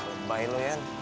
lebay lu ian